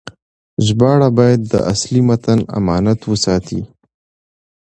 ژباړه باید د اصلي متن امانت وساتي.